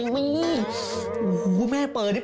โอ้โฮแม่เปล่าด้วยให้พ่อปวดหัวขึ้นมาเลยแม่